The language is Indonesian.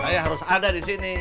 saya harus ada disini